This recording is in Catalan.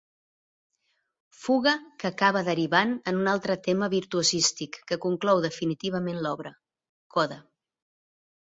Fuga que acaba derivant en un altre tema virtuosístic que conclou definitivament l'obra: coda.